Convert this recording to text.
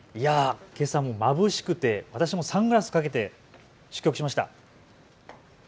けさもまぶしくて私もサングラスかけて出局しました。